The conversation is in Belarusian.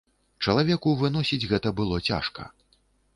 Чалавеку выносіць гэта было цяжка.